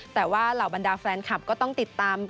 แต่ว่าเหล่าบรรดาแฟนคลับก็ต้องติดตาม